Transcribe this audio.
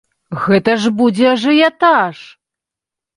Гэта ж будзе ажыятаж!